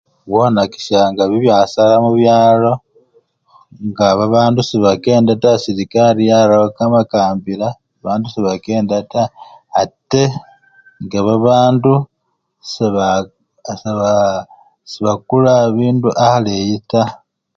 Bwonakishsngs bibyasara mubyalo nga babandu sebakenda taa serekali yalawo kamakambila bandu sebakenda taa ate nga babandu seba sebaa sebakula bindu aleyi taa.